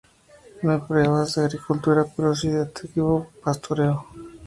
No hay pruebas de agricultura, pero sí de un activo pastoreo.